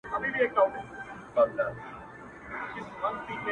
• ځان تر ټول جهان لایق ورته ښکاریږي ,